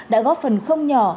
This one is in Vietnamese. đã góp phần không nhỏ